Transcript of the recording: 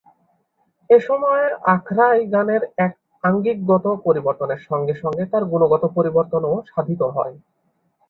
এ সময় আখড়াই গানের এ আঙ্গিকগত পরিবর্তনের সঙ্গে সঙ্গে তার গুণগত পরিবর্তনও সাধিত হয়।